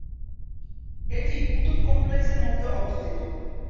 এটি কুতুব কমপ্লেক্সের মধ্যে অবস্থিত।